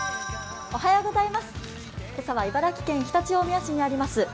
今朝は茨城県常陸大宮市にあります